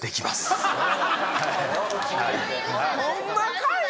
ホンマかいな。